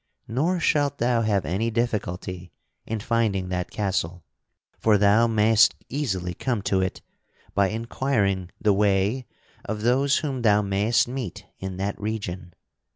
Nor shalt thou have any difficulty in finding that castle, for thou mayst easily come to it by inquiring the way of those whom thou mayst meet in that region.